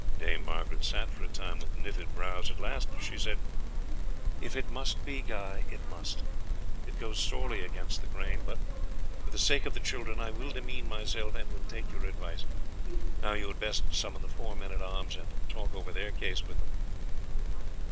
Dame Margaret sat for some time with knitted brows. At last she said: "If it must be, Guy, it must. It goes sorely against the grain; but for the sake of the children I will demean myself, and will take your advice. Now you had best summon the four men at arms and talk over their case with them."